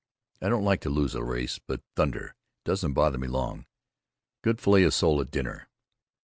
I don't like to lose a race, but thunder it doesn't bother me long. Good filet of sole at dinner.